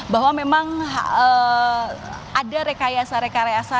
bahwa memang ada rekayasa rekayasa